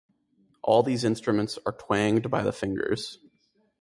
All these instruments are twanged by the fingers.